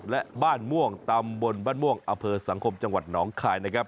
และบ้านม่วงตำบลบ้านม่วงอำเภอสังคมจังหวัดหนองคายนะครับ